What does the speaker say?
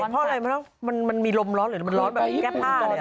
ใช่เพราะอะไรมันมีลมร้อนเลยมันร้อนแบบแก้ปผ้าเลย